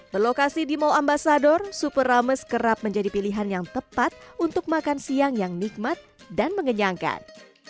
berlokasi di mall ambasador super rames kerap menjadi pilihan yang tepat untuk makan siang yang nikmat dan mengenyangkan